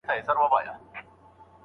آیا زیار تر هوښیارتیا اړین دی؟